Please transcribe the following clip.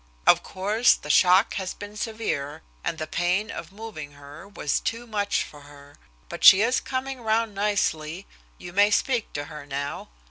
"Of course, the shock has been severe, and the pain of moving her was too much for her. But she is coming round nicely. You may speak to her now."